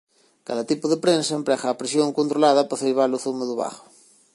Cada tipo de prensa emprega a presión controlada para ceibar o zume do bago.